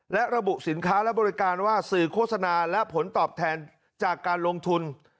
และระบุสินค้าและบริการว่าสื่อโฆษณาและผลตอบแทนจากการลงทุน